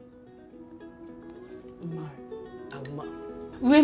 あ、うまい。